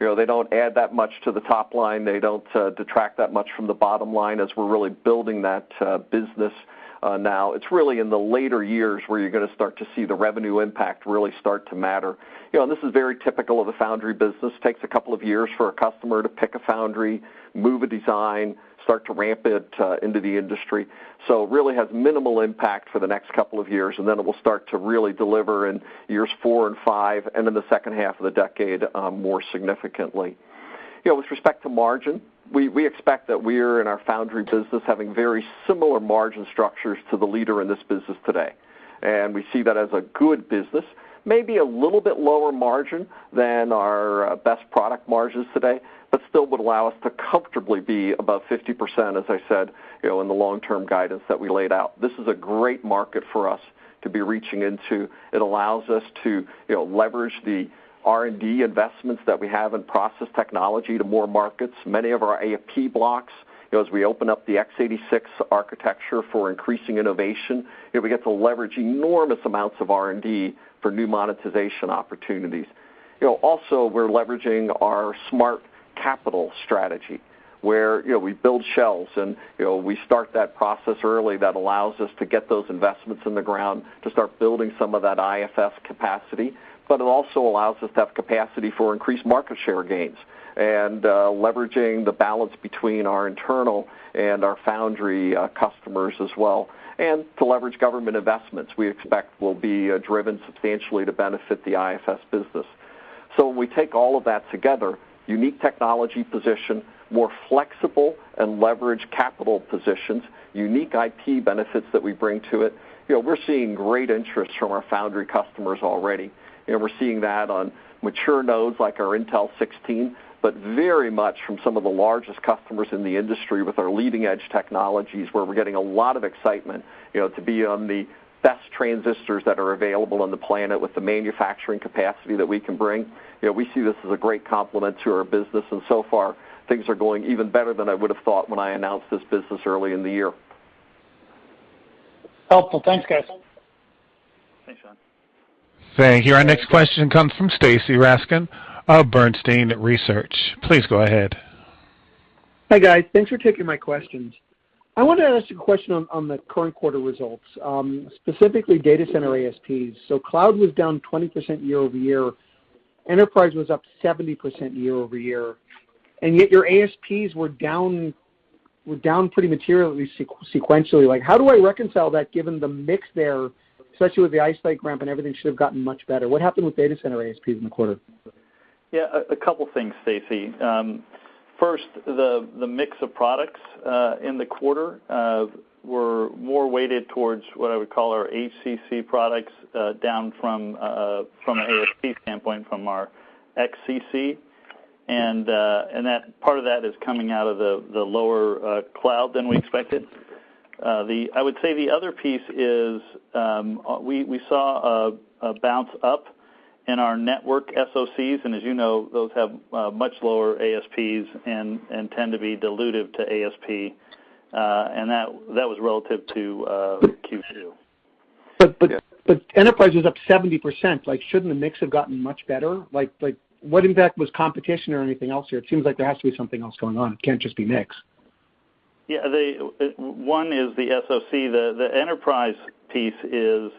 They don't add that much to the top line, they don't detract that much from the bottom line as we're really building that business now. It's really in the later years where you're going to start to see the revenue impact really start to matter. This is very typical of the foundry business. It takes a couple of years for a customer to pick a foundry, move a design, start to ramp it into the industry. It really has minimal impact for the next couple of years, and then it will start to really deliver in years four and five, and in the second half of the decade, more significantly. With respect to margin, we expect that we're, in our foundry business, having very similar margin structures to the leader in this business today. We see that as a good business, maybe a little bit lower margin than our best product margins today, but still would allow us to comfortably be above 50%, as I said, in the long-term guidance that we laid out. This is a great market for us to be reaching into. It allows us to leverage the R&D investments that we have in process technology to more markets. Many of our IP blocks, as we open up the x86 architecture for increasing innovation, we get to leverage enormous amounts of R&D for new monetization opportunities. We're leveraging our smart capital strategy, where we build shells and we start that process early that allows us to get those investments in the ground to start building some of that IFS capacity. It also allows us to have capacity for increased market share gains and leveraging the balance between our internal and our foundry customers as well, and to leverage government investments we expect will be driven substantially to benefit the IFS business. When we take all of that together, unique technology position, more flexible and leveraged capital positions, unique IP benefits that we bring to it, we're seeing great interest from our foundry customers already. We're seeing that on mature nodes like our Intel 16, very much from some of the largest customers in the industry with our leading-edge technologies, where we're getting a lot of excitement to be on the best transistors that are available on the planet with the manufacturing capacity that we can bring. We see this as a great complement to our business, so far things are going even better than I would've thought when I announced this business early in the year. Helpful. Thanks, guys. Thanks, John. Thank you. Our next question comes from Stacy Rasgon of Bernstein Research. Please go ahead. Hi, guys. Thanks for taking my questions. I wanted to ask you a question on the current quarter results, specifically data center ASPs. Cloud was down 20% year-over-year. Enterprise was up 70% year-over-year, yet your ASPs were down pretty materially sequentially. How do I reconcile that given the mix there, especially with the Ice Lake ramp and everything should have gotten much better? What happened with data center ASPs in the quarter? Yeah. A couple things, Stacy. First, the mix of products, in the quarter, were more weighted towards what I would call our HCC products, down from a ASP standpoint from our XCC. Part of that is coming out of the lower cloud than we expected. I would say the other piece is, we saw a bounce up in our network SOCs, and as you know, those have much lower ASPs and tend to be dilutive to ASP, and that was relative to Q2. Enterprise was up 70%. Shouldn't the mix have gotten much better? What, in fact, was competition or anything else here? It seems like there has to be something else going on. It can't just be mix. Yeah. One is the SOC. The enterprise piece is,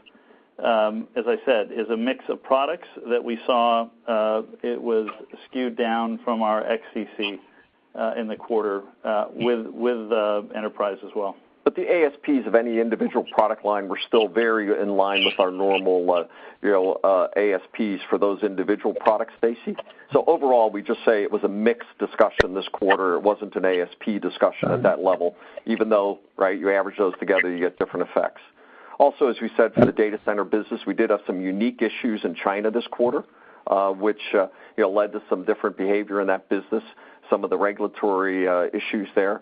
as I said, is a mix of products that we saw. It was skewed down from our XCC, in the quarter, with enterprise as well. The ASPs of any individual product line were still very in line with our normal ASPs for those individual products, Stacy. Overall, we just say it was a mix discussion this quarter. It wasn't an ASP discussion at that level, even though, right, you average those together, you get different effects. Also, as we said, for the data center business, we did have some unique issues in China this quarter, which led to some different behavior in that business, some of the regulatory issues there.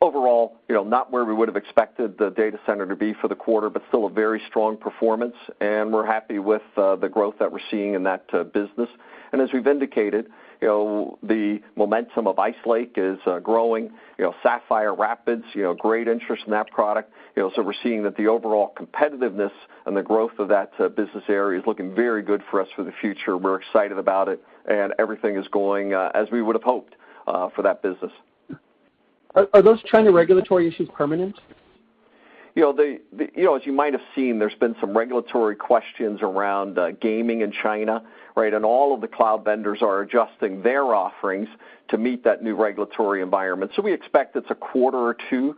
Overall, not where we would've expected the data center to be for the quarter, but still a very strong performance, and we're happy with the growth that we're seeing in that business. As we've indicated, the momentum of Ice Lake is growing. Sapphire Rapids, great interest in that product. We're seeing that the overall competitiveness and the growth of that business area is looking very good for us for the future. We're excited about it, and everything is going as we would've hoped for that business. Are those China regulatory issues permanent? As you might have seen, there's been some regulatory questions around gaming in China. All of the cloud vendors are adjusting their offerings to meet that new regulatory environment. We expect it's a quarter or two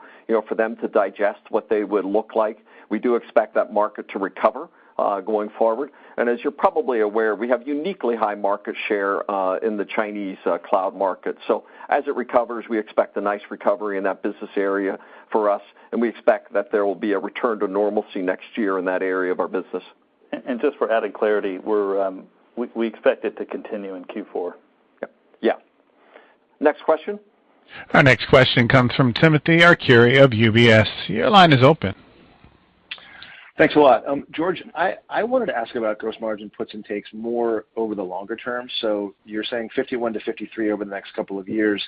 for them to digest what they would look like. We do expect that market to recover going forward. As you're probably aware, we have uniquely high market share in the Chinese cloud market. As it recovers, we expect a nice recovery in that business area for us, and we expect that there will be a return to normalcy next year in that area of our business. Just for added clarity, we expect it to continue in Q4. Yep. Yeah. Next question. Our next question comes from Timothy Arcuri of UBS. Your line is open. Thanks a lot. George, I wanted to ask about gross margin puts and takes more over the longer term. You're saying 51%-53% over the next couple of years,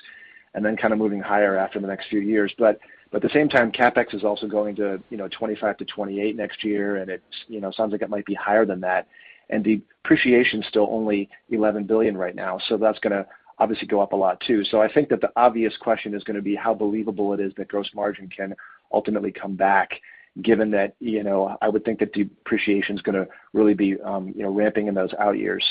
and then kind of moving higher after the next few years. At the same time, CapEx is also going to $25 billion-$28 billion next year, and it sounds like it might be higher than that. Depreciation's still only $11 billion right now, so that's going to obviously go up a lot too. I think that the obvious question is going to be how believable it is that gross margin can ultimately come back, given that I would think that depreciation's going to really be ramping in those out years.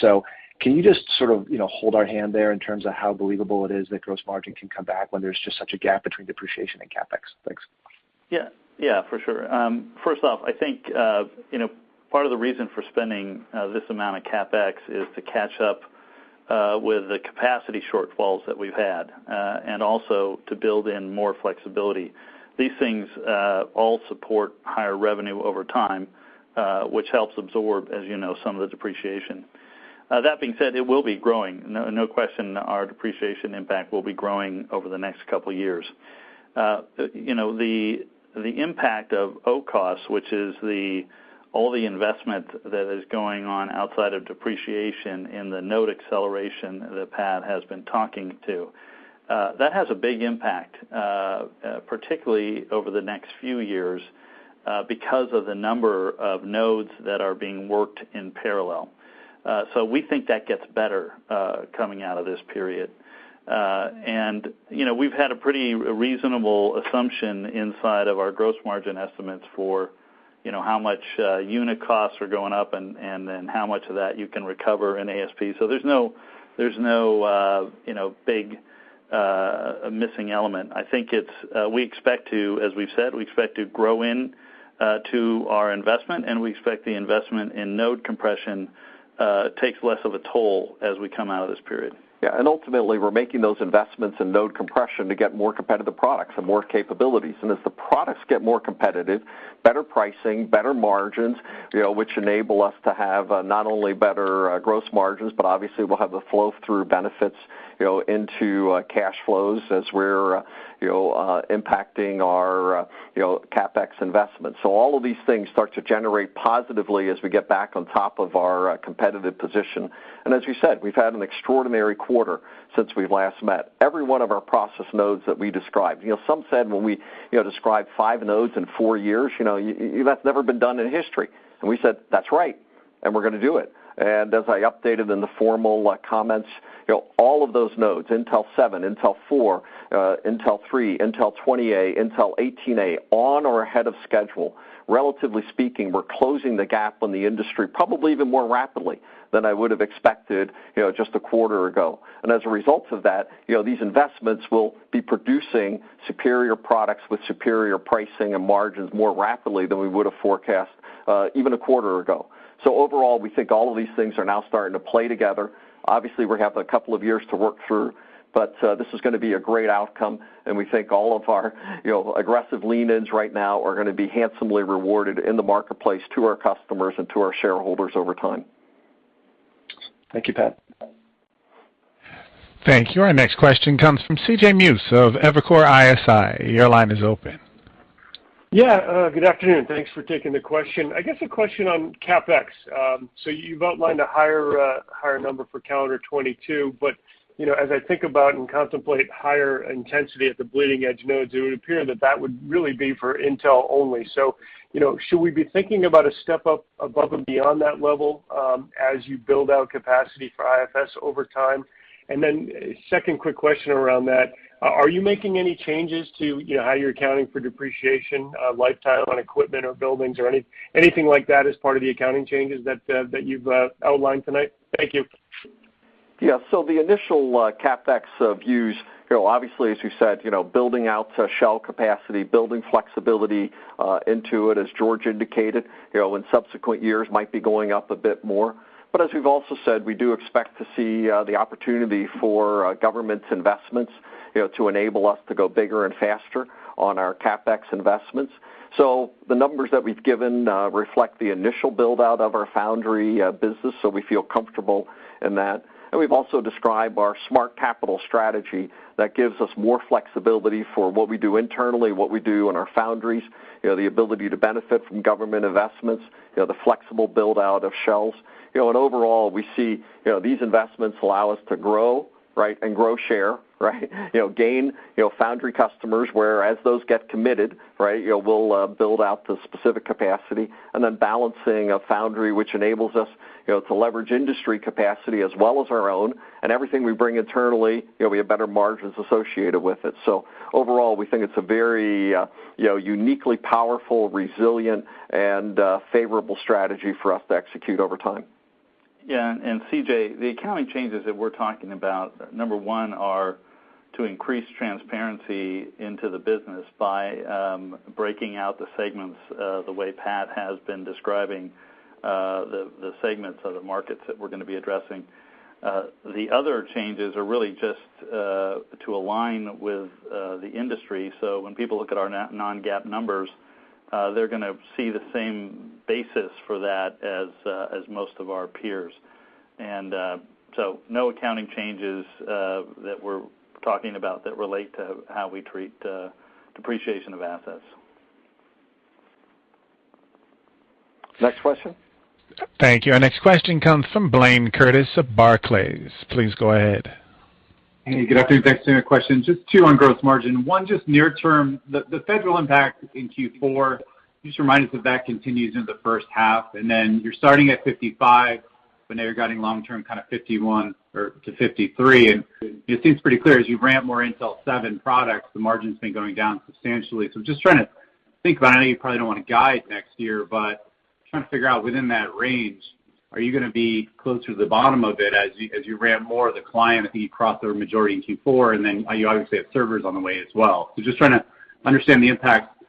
Can you just sort of hold our hand there in terms of how believable it is that gross margin can come back when there's just such a gap between depreciation and CapEx? Thanks. Yeah, for sure. First off, I think part of the reason for spending this amount of CapEx is to catch up with the capacity shortfalls that we've had, and also to build in more flexibility. These things all support higher revenue over time, which helps absorb, as you know, some of the depreciation. That being said, it will be growing. No question our depreciation impact will be growing over the next couple of years. The impact of OCOS, which is all the investment that is going on outside of depreciation in the node acceleration that Pat has been talking to, that has a big impact, particularly over the next few years, because of the number of nodes that are being worked in parallel. We think that gets better coming out of this period. We've had a pretty reasonable assumption inside of our gross margin estimates for how much unit costs are going up and then how much of that you can recover in ASP. There's no big missing element. As we've said, we expect to grow into our investment, and we expect the investment in node compression takes less of a toll as we come out of this period. Ultimately we're making those investments in node compression to get more competitive products and more capabilities. As the products get more competitive, better pricing, better margins, which enable us to have not only better gross margins, but obviously we'll have the flow through benefits into cash flows as we're impacting our CapEx investments. All of these things start to generate positively as we get back on top of our competitive position. As we said, we've had an extraordinary quarter since we last met. Every one of our process nodes that we described. Some said when we described five nodes in four years, that's never been done in history. We said, "That's right, and we're going to do it." As I updated in the formal comments, all of those nodes, Intel 7, Intel 4, Intel 3, Intel 20A, Intel 18A, on or ahead of schedule. Relatively speaking, we're closing the gap on the industry probably even more rapidly than I would've expected just one quarter ago. As a result of that, these investments will be producing superior products with superior pricing and margins more rapidly than we would've forecast even a quarter ago. Overall, we think all of these things are now starting to play together. Obviously, we have a couple of years to work through, but this is going to be a great outcome, and we think all of our aggressive lean-ins right now are going to be handsomely rewarded in the marketplace to our customers and to our shareholders over time. Thank you, Pat. Thank you. Our next question comes from CJ Muse of Evercore ISI. Your line is open. Yeah. Good afternoon. Thanks for taking the question. I guess a question on CapEx. You've outlined a higher number for calendar 2022, but as I think about and contemplate higher intensity at the bleeding edge nodes, it would appear that that would really be for Intel only. Should we be thinking about a step up above and beyond that level as you build out capacity for IFS over time? Second quick question around that, are you making any changes to how you're accounting for depreciation lifetime on equipment or buildings or anything like that as part of the accounting changes that you've outlined tonight? Thank you. The initial CapEx views, obviously, as we said, building out shell capacity, building flexibility into it, as George indicated, in subsequent years might be going up a bit more. As we've also said, we do expect to see the opportunity for government's investments, to enable us to go bigger and faster on our CapEx investments. The numbers that we've given reflect the initial build-out of our foundry business, so we feel comfortable in that. We've also described our smart capital strategy that gives us more flexibility for what we do internally, what we do in our foundries, the ability to benefit from government investments, the flexible build-out of shelves. Overall, we see these investments allow us to grow, and grow share, right? Gain foundry customers, where as those get committed, we'll build out the specific capacity, and then balancing a foundry which enables us to leverage industry capacity as well as our own, and everything we bring internally, we have better margins associated with it. Overall, we think it's a very uniquely powerful, resilient, and favorable strategy for us to execute over time. CJ, the accounting changes that we're talking about, number one, are to increase transparency into the business by breaking out the segments, the way Pat has been describing the segments of the markets that we're going to be addressing. The other changes are really just to align with the industry. When people look at our non-GAAP numbers, they're going to see the same basis for that as most of our peers. No accounting changes that we're talking about that relate to how we treat depreciation of assets. Next question. Thank you. Our next question comes from Blayne Curtis of Barclays. Please go ahead. Hey, good afternoon. Thanks. Two questions. Just two on gross margin. One, just near term, the Federal impact in Q4, can you just remind us if that continues into the first half? Then you're starting at 55%, but now you're guiding long term kind of 51%-53%, and it seems pretty clear as you ramp more Intel 7 products, the margin's been going down substantially. I'm just trying to think about, I know you probably don't want to guide next year, but trying to figure out within that range, are you going to be closer to the bottom of it as you ramp more of the client that you crossed over majority in Q4, and then you obviously have servers on the way as well. Just trying to understand the impact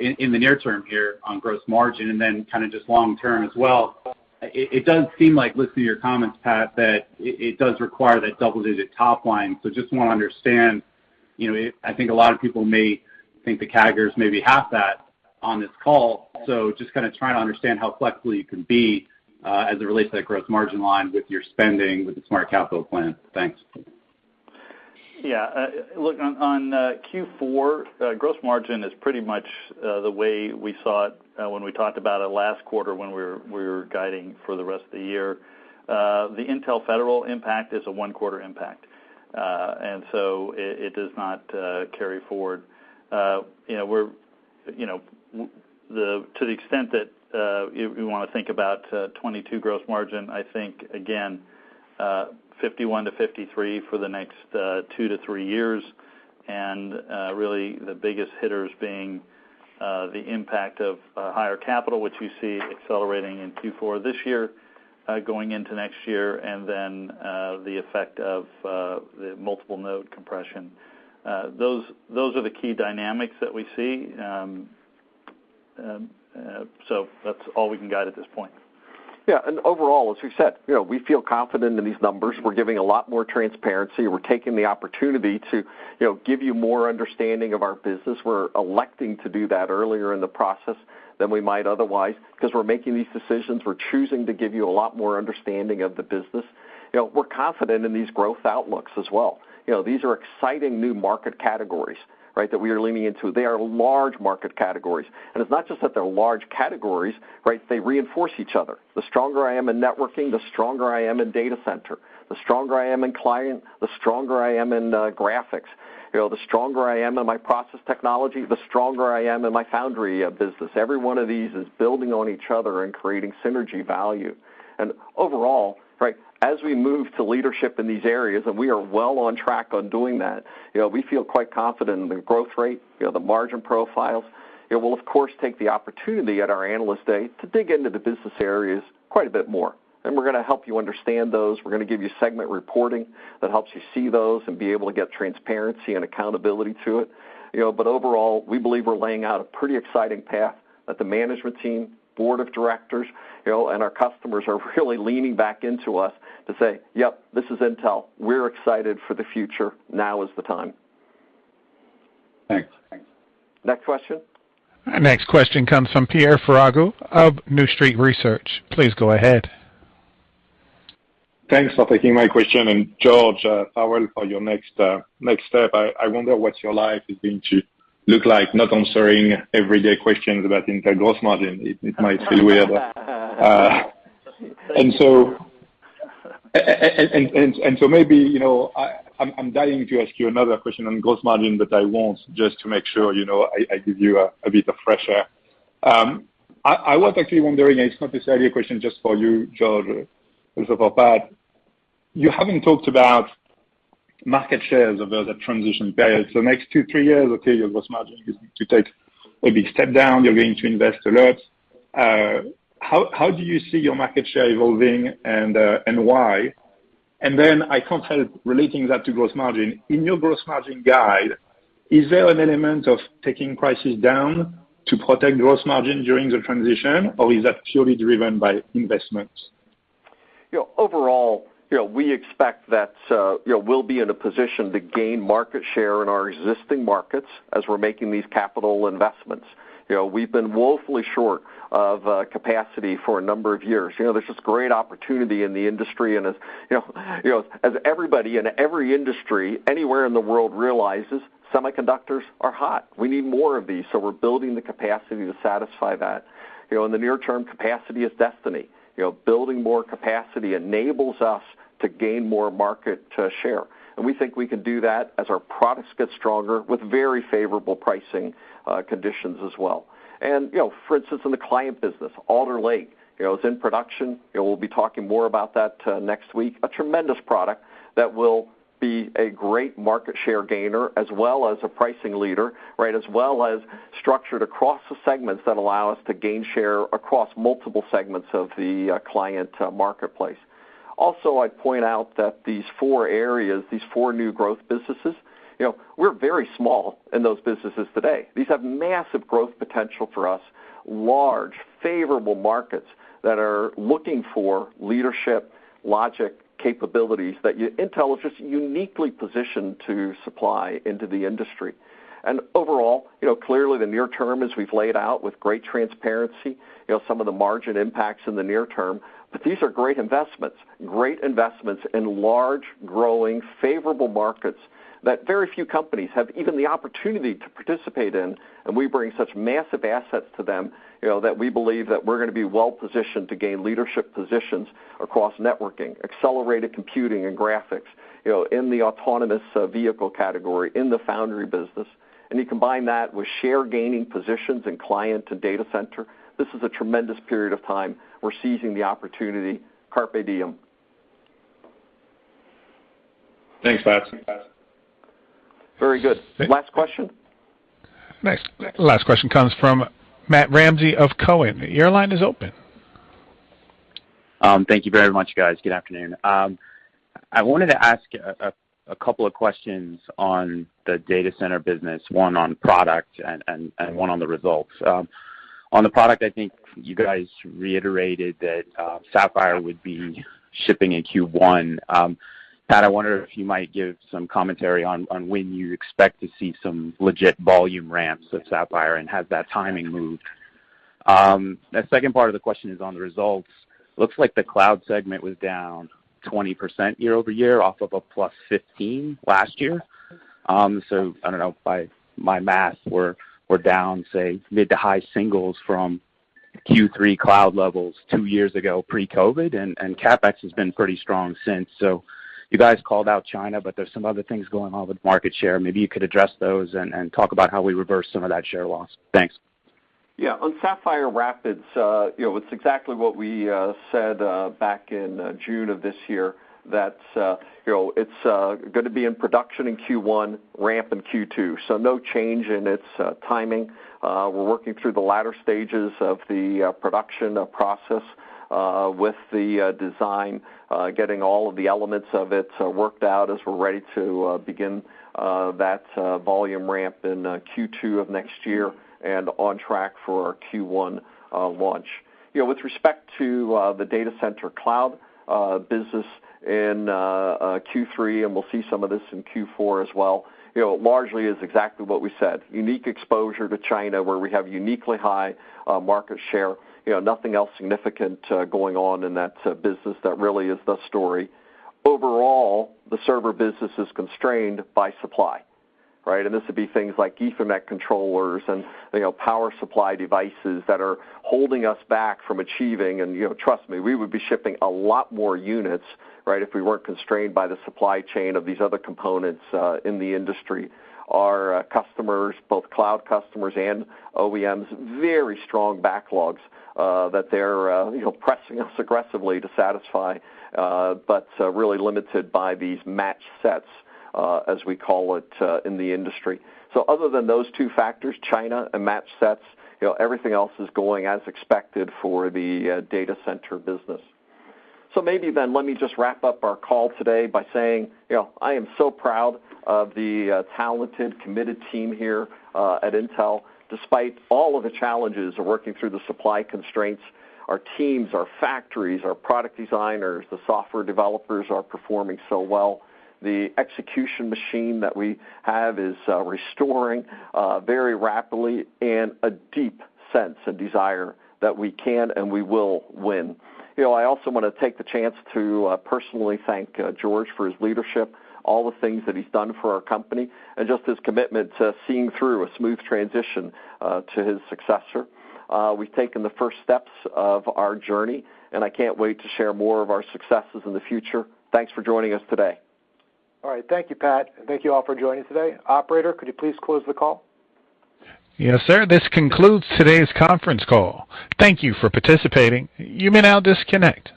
in the near term here on gross margin, and then kind of just long term as well. It does seem like, listening to your comments, Pat, that it does require that double-digit top line. Just want to understand, I think a lot of people may think the CAGRs may be half that on this call. Just kind of trying to understand how flexible you can be, as it relates to that gross margin line with your spending, with the smart capital plan. Thanks. Yeah. Look, on Q4, gross margin is pretty much the way we saw it when we talked about it last quarter when we were guiding for the rest of the year. The Intel Federal impact is a one-quarter impact. It does not carry forward. To the extent that you want to think about 2022 gross margin, I think, again, 51%-53% for the next two to three years, really the biggest hitters being the impact of higher capital, which you see accelerating in Q4 this year, going into next year, the effect of the multiple node compression. Those are the key dynamics that we see. That's all we can guide at this point. Yeah. Overall, as we said, we feel confident in these numbers. We're giving a lot more transparency. We're taking the opportunity to give you more understanding of our business. We're electing to do that earlier in the process than we might otherwise, because we're making these decisions. We're choosing to give you a lot more understanding of the business. We're confident in these growth outlooks as well. These are exciting new market categories that we are leaning into. They are large market categories. It's not just that they're large categories, they reinforce each other. The stronger I am in networking, the stronger I am in data center. The stronger I am in client, the stronger I am in graphics. The stronger I am in my process technology, the stronger I am in my foundry business. Every one of these is building on each other and creating synergy value. Overall, as we move to leadership in these areas, and we are well on track on doing that, we feel quite confident in the growth rate, the margin profiles. We'll of course take the opportunity at our Analyst Day to dig into the business areas quite a bit more. We're going to help you understand those. We're going to give you segment reporting that helps you see those and be able to get transparency and accountability to it. Overall, we believe we're laying out a pretty exciting path that the management team, board of directors, and our customers are really leaning back into us to say, "Yep, this is Intel. We're excited for the future. Now is the time. Thanks. Next question. Our next question comes from Pierre Ferragu of New Street Research. Please go ahead. Thanks for taking my question. George, for your next step, I wonder what your life is going to look like, not answering everyday questions about Intel gross margin. It might feel weird. Maybe, I'm dying to ask you another question on gross margin, but I won't, just to make sure I give you a bit of fresh air. I was actually wondering, it's not necessarily a question just for you, George, also for Pat. You haven't talked about market shares over the transition period. Next two, three years, okay, your gross margin is going to take a big step down. You're going to invest a lot. How do you see your market share evolving and why? I can't help relating that to gross margin. In your gross margin guide, is there an element of taking prices down to protect gross margin during the transition, or is that purely driven by investments? Overall, we expect that we'll be in a position to gain market share in our existing markets as we're making these capital investments. We've been woefully short of capacity for a number of years. There's this great opportunity in the industry, and as everybody in every industry anywhere in the world realizes, semiconductors are hot. We need more of these, so we're building the capacity to satisfy that. In the near term, capacity is destiny. Building more capacity enables us to gain more market share. We think we can do that as our products get stronger with very favorable pricing conditions as well. For instance, in the client business, Alder Lake is in production. We'll be talking more about that next week. A tremendous product that will be a great market share gainer as well as a pricing leader, right? As well as structured across the segments that allow us to gain share across multiple segments of the client marketplace. I'd point out that these four areas, these four new growth businesses, we're very small in those businesses today. These have massive growth potential for us, large, favorable markets that are looking for leadership, logic, capabilities that Intel is just uniquely positioned to supply into the industry. Overall, clearly the near term, as we've laid out with great transparency, some of the margin impacts in the near term, these are great investments. Great investments in large, growing, favorable markets that very few companies have even the opportunity to participate in, we bring such massive assets to them, that we believe that we're going to be well positioned to gain leadership positions across networking, accelerated computing, and graphics, in the autonomous vehicle category, in the foundry business. You combine that with share gaining positions in client to data center, this is a tremendous period of time. We're seizing the opportunity. Carpe diem. Thanks, Pat. Very good. Last question? Next, last question comes from Matt Ramsay of Cowen. Your line is open. Thank you very much, guys. Good afternoon. I wanted to ask a couple of questions on the data center business, one on product and one on the results. On the product, I think you guys reiterated that Sapphire would be shipping in Q1. Pat, I wonder if you might give some commentary on when you expect to see some legit volume ramps of Sapphire and has that timing moved? The second part of the question is on the results. Looks like the cloud segment was down 20% year-over-year off of a +15% last year. I don't know, by my math, we're down, say, mid to high singles from Q3 cloud levels two years ago pre-COVID, and CapEx has been pretty strong since. You guys called out China, but there's some other things going on with market share. Maybe you could address those and talk about how we reverse some of that share loss. Thanks. Yeah. On Sapphire Rapids, it is exactly what we said back in June of this year that it is going to be in production in Q1, ramp in Q2. No change in its timing. We are working through the latter stages of the production process with the design, getting all of the elements of it worked out as we are ready to begin that volume ramp in Q2 of next year and on track for our Q1 launch. With respect to the data center cloud business in Q3, and we will see some of this in Q4 as well, largely is exactly what we said. Unique exposure to China, where we have uniquely high market share. Nothing else significant going on in that business that really is the story. Overall, the server business is constrained by supply, right? This would be things like Ethernet controllers and power supply devices that are holding us back from achieving. Trust me, we would be shipping a lot more units, right, if we weren't constrained by the supply chain of these other components in the industry. Our customers, both cloud customers and OEMs, very strong backlogs that they're pressing us aggressively to satisfy. Really limited by these match sets, as we call it in the industry. Other than those two factors, China and match sets, everything else is going as expected for the data center business. Maybe then, let me just wrap up our call today by saying, I am so proud of the talented, committed team here at Intel. Despite all of the challenges of working through the supply constraints, our teams, our factories, our product designers, the software developers are performing so well. The execution machine that we have is restoring very rapidly and a deep sense and desire that we can and we will win. I also want to take the chance to personally thank George for his leadership, all the things that he's done for our company, and just his commitment to seeing through a smooth transition to his successor. We've taken the first steps of our journey, and I can't wait to share more of our successes in the future. Thanks for joining us today. All right. Thank you, Pat. Thank you all for joining today. Operator, could you please close the call? Yes, sir. This concludes today's conference call. Thank you for participating. You may now disconnect.